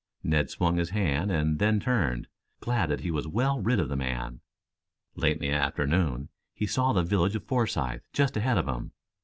Ned swung his hand, and then turned, glad that he was well rid of the man. Late in the afternoon, he saw the village of Forsythe just ahead of him.